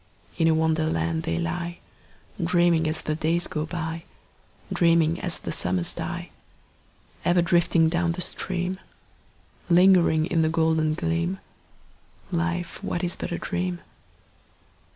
In a Wonderland they lie, Dreaming as the days go by, Dreaming as the summers die: Ever drifting down the stream— Lingering in the golden gleam— Life, what is it but a dream?